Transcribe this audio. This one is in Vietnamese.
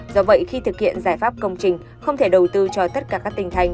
do vậy khi thực hiện giải pháp công trình không thể đầu tư cho tất cả các tỉnh thành